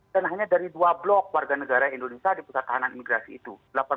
dan hanya dari dua blok warga negara indonesia di pusat tahanan imigrasi itu